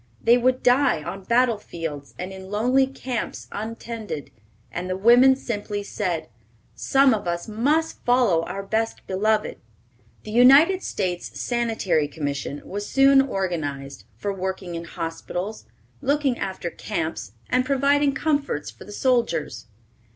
They would die on battle fields, and in lonely camps untended, and the women simply said, "Some of us must follow our best beloved." The United States Sanitary Commission was soon organized, for working in hospitals, looking after camps, and providing comforts for the soldiers.